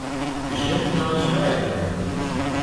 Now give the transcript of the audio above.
Bestimmt nur aus Steuergründen!